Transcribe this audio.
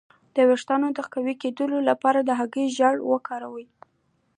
د ویښتو د قوي کیدو لپاره د هګۍ ژیړ وکاروئ